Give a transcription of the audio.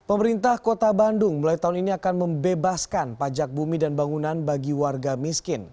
pemerintah kota bandung mulai tahun ini akan membebaskan pajak bumi dan bangunan bagi warga miskin